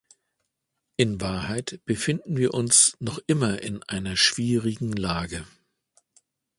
In Wahrheit befinden wir uns noch immer in einer schwierigen Lage.